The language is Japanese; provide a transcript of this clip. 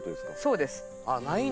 そうです。